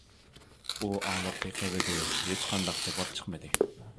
ئۇ ئاڭلاپ بېقىۋىدى، ھېچقانداق جاۋاب چىقمىدى.